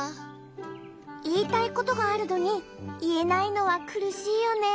いいたいことがあるのにいえないのはくるしいよねえ。